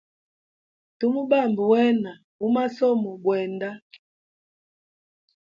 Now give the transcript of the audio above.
Tu mubamba wena u masomo bwenda.